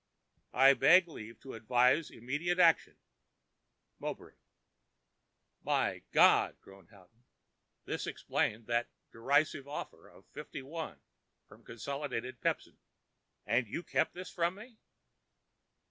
I beg leave to advise immediate action.—Mowbray." "My God!" groaned Houghton. This explained that derisive offer of fifty one from Consolidated Pepsin. "And you kept this from me?"